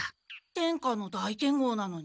天下の大剣豪なのに？